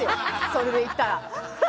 それで言ったら。